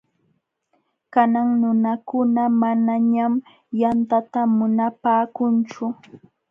Kanan nunakuna manañam yantata munapaakunchu.